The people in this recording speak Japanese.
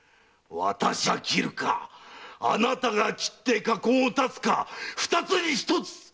私が斬るかあなたが斬って禍根を断つか二つに一つ！